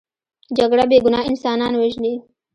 جګړه بې ګناه انسانان وژني